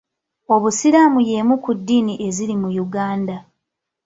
Obusiraamu y'emu ku ddiini eziri mu Uganda.